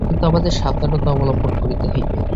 কিন্তু আমাদের সাবধানতা অবলম্বন করিতে হইবে।